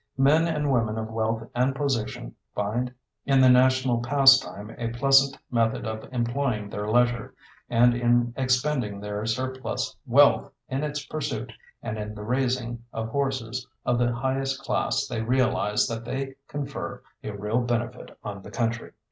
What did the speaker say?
Men and women of wealth and position find in the national pastime a pleasant method of employing their leisure, and in expending their surplus wealth in its pursuit and in the raising of horses of the highest class they realize that they confer a real benefit on the country.